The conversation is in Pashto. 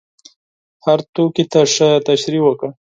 هر توکي ته ښه تشریح وکړه.